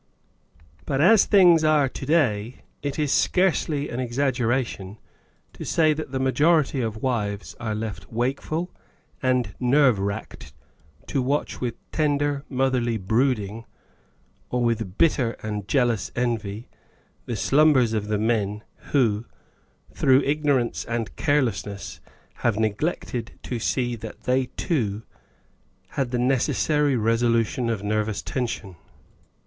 _ But as things are to day it is scarcely an exaggera tion to say that the majority of wives are left wakeful and nerve racked to watch with tender motherly brooding, or with bitter and jealous envy, the slumbers of the men who, through ignorance and carelessness, have neglected to see that they too had the necessary resolution of nervous tension.